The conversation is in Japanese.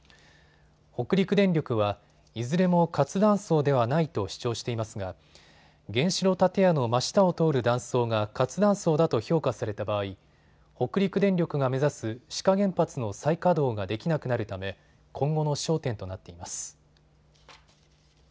北陸電力はいずれも活断層ではないと主張していますが原子炉建屋の真下を通る断層が活断層だと評価された場合、北陸電力が目指す志賀原発の再稼働ができなくなるため今後の焦点となっています。